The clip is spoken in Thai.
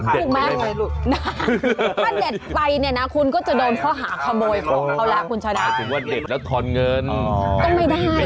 ถ้าเด็ดไปเนี่ยนะคุณก็จะโดนเข้าหาขโมยของทาวรากคุณชาวดาม